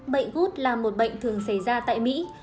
bệnh gút là một bệnh thường xảy ra tại mỹ